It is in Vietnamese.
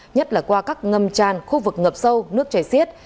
nhất là qua các ngâm tràn khu vực ngập sâu nước chảy xiết